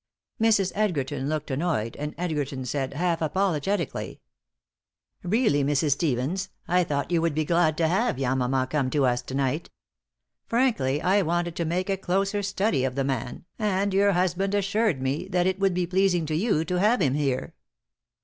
Mrs. Edgerton looked annoyed, and Edgerton said, half apologetically: "Really, Mrs. Stevens, I thought that you would be glad to have Yamama come to us to night. Frankly, I wanted to make a closer study of the man, and your husband assured me that it would be pleasing to you to have him here."